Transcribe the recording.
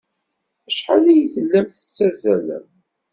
Acḥal ay tellam tettazzalem?